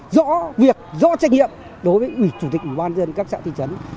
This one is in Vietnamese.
rõ việc rõ trách nhiệm đối với chủ tịch ubnd các xã thị trấn